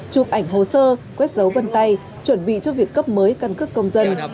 chụp ảnh hồ sơ quét dấu vân tay chuẩn bị cho việc cấp mới căn cước công dân